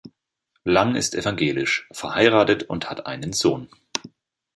Lang ist evangelisch, verheiratet und hat einen Sohn.